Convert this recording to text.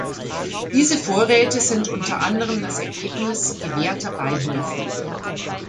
Diese Vorräte sind unter anderem das Ergebnis gewährter Beihilfen.